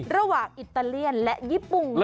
ระหว่างอิตาเลียนและญี่ปุ่งมา